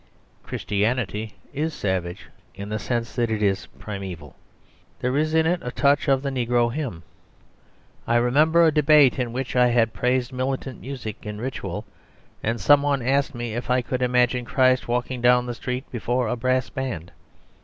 Christianity is savage, in the sense that it is primeval; there is in it a touch of the nigger hymn. I remember a debate in which I had praised militant music in ritual, and some one asked me if I could imagine Christ walking down the street before a brass band.